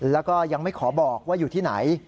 แล้วก็ยังไม่ขอบอกว่าอยู่ที่ไหน